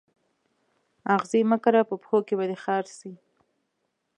آغزي مه کره په پښو کي به دي خار سي